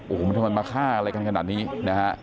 โอ้โหทำไมมาฆ่าอะไรกันขนาดนี้นะฮะ